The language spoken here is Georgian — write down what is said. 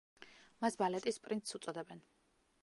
მას ბალეტის პრინცს უწოდებენ.